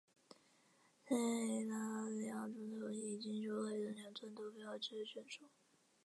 塞拉利昂总统以经修改的两轮投票制选出。